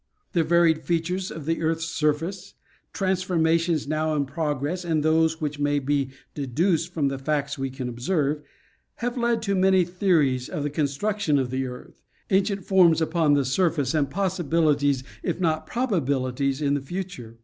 The varied fea tures of the earth's surface, transformations now in progress and those which may be deduced from the facts we can observe, have led to many theories of the construction of the earth, ancient forms upon the surface and possibilities, if not probabilities, in the future.